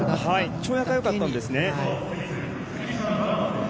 跳躍はよかったんですね。